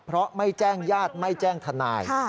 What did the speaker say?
เพราะไม่แจ้งญาติไม่แจ้งทนาย